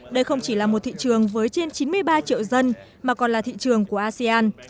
đây không chỉ là một thị trường với trên chín mươi ba triệu dân mà còn là thị trường của asean